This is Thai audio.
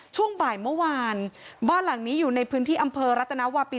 ช่วงบ่ายเมื่อวานบ้านหลังนี้อยู่ในพื้นที่อำเภอรัตนวาปี